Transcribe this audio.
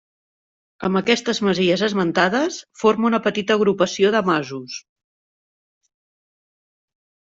Amb aquestes masies esmentades, forma una petita agrupació de masos.